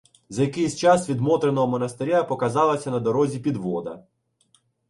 За якийсь час від Мотриного монастиря показалася на дорозі підвода.